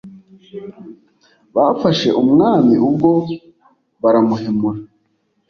Bafashe umwami ubwo baramuhemura